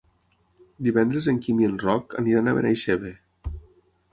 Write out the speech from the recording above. Divendres en Quim i en Roc aniran a Benaixeve.